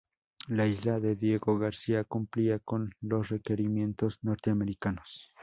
La isla de Diego García cumplía con los requerimientos norteamericanos.